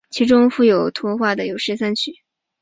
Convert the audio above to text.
其中附有图画的有十三曲。